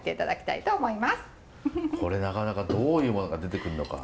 これなかなかどういうものが出てくるのか。